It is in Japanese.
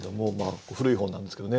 古い本なんですけどね。